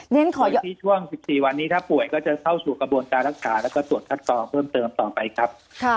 ในช่วง๑๔วันนี้ถ้าป่วยก็จะเข้าสู่กระบวนการรักษาและส่วนทัดต่อเพิ่มเติมต่อไปครับ